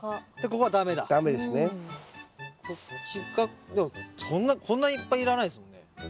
こっちかでもこんないっぱいいらないですもんね。